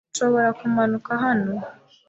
Nshobora kumanuka hano?